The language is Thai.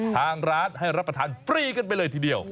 ทางร้านให้รับประทานฟรีกันไปเลยทีเดียว